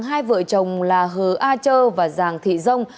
hai vợ chồng là hờ a chơ và giàng thị dông